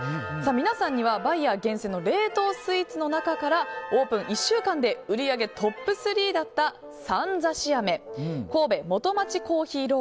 皆さんにはバイヤー厳選の冷凍スイーツの中からオープン１週間で売上トップ３だったサンザシ飴神戸元町珈琲ロールＥＶＩＡＮ